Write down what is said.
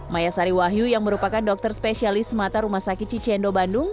maya sari wahyu yang merupakan dokter spesialis mata rumah sakit cicendo bandung